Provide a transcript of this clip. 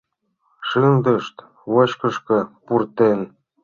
Шындышт вочкышко пуртен.